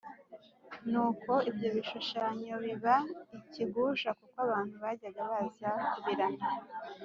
Nuko ibyo bishushanyo biba ikigusha kuko abantu bajyaga baza kubiramya